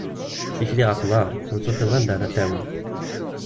Tikli ɣef uḍar, ur tufiḍ anda ara t-tawi.